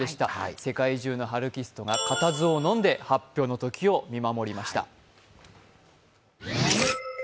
世界中のハルキストが固唾をのんで発表の時を見守りました。